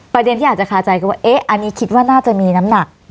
ประเด็นที่อาจจะคาใจคือว่าเอ๊ะอันนี้คิดว่าน่าจะมีน้ำหนัก